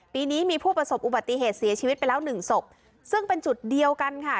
ปีนี้มีผู้ประสบอุบัติเหตุเสียชีวิตไปแล้วหนึ่งศพซึ่งเป็นจุดเดียวกันค่ะ